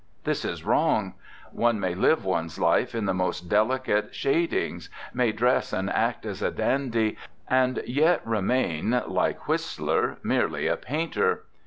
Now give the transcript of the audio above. This is wrong. One may live one's life in the most delicate shad ings, may dress and act as a dandy, and yet remain, like Whistler, merely a painter.